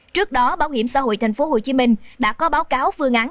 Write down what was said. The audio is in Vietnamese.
trước đó bảo hiểm xã hội tp hcm đã có báo cáo phương án